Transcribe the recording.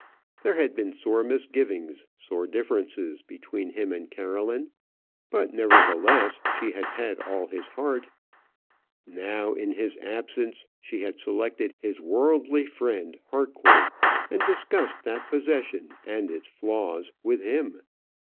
There had been sore misgivings, sore differences between him and Caroline; but, nevertheless, she had had all his heart. Now, in his absence, she had selected his worldly friend Harcourt, and discussed that possession and its flaws with him!